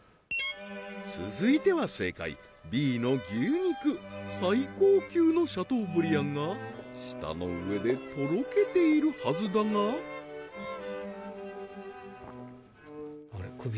続いては正解Ｂの牛肉最高級のシャトーブリアンが舌の上でとろけているはずだがあれ？